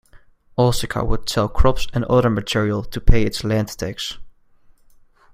Osaka would sell crops and other material to pay its land tax.